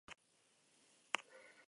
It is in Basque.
Zer egin kasu hauetan?